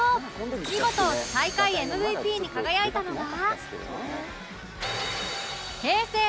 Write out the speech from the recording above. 見事大会 ＭＶＰ に輝いたのが